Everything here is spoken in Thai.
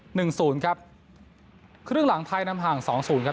หนึ่งศูนย์ครับครึ่งหลังไทยนำห่างสองศูนย์ครับ